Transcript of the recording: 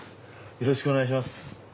よろしくお願いします。